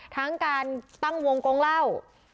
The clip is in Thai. ทั้งการตั้งวงกงเล่า